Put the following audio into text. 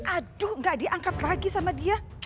aduh gak diangkat lagi sama dia